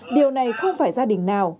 điều này không phải gia đình nào